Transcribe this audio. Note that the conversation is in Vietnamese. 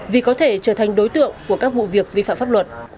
vì có thể trở thành đối tượng của các vụ việc vi phạm pháp luật